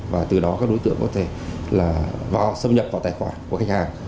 và từ đó các đối tượng có thể là vào xâm nhập vào tài khoản của khách hàng